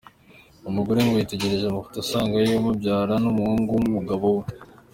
Umugore ngo yitegereje amafoto asanga se umubyara ni umuhungu w’umugabo we.